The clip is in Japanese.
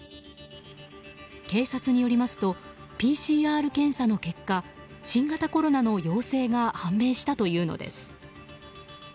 警察によりますとＰＣＲ検査の結果新型コロナの陽性が判明したというのです。